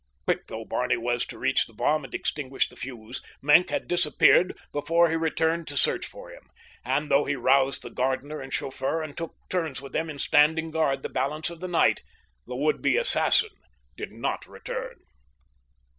Quick though Barney was to reach the bomb and extinguish the fuse, Maenck had disappeared before he returned to search for him; and, though he roused the gardener and chauffeur and took turns with them in standing guard the balance of the night, the would be assassin did not return.